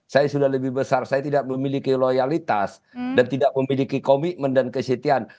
saya sudah lebih besar saya tidak memiliki loyalitas dan tidak memiliki komitmen dan kesetihan